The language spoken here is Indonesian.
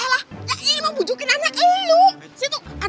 ya allah ini mau bujukin anaknya